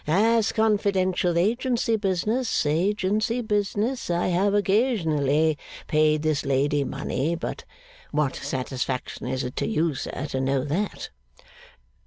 As confidential agency business, agency business, I have occasionally paid this lady money; but what satisfaction is it to you, sir, to know that?